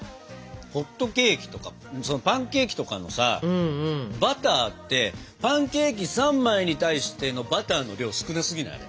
ホットケーキとかパンケーキとかのさバターってパンケーキ３枚に対してのバターの量少なすぎない？